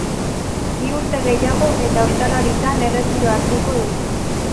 Bi urte gehiago eta ostalaritzan erretiroa hartuko dut.